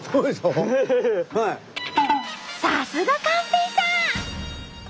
さすが寛平さん！